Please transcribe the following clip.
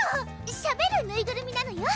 しゃべるぬいぐるみなのよ！